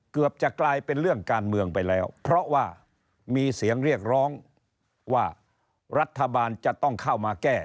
เกือบจะกลายเป็นเรื่องการเมืองไปแล้วเพราะว่ามีเสียงเรียกร้องว่ารัฐบาลจะต้องเข้ามาแก้